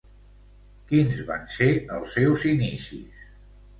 Quins van ser els seus inicis?